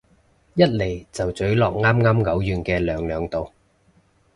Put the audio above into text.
一嚟就咀落啱啱嘔完嘅娘娘度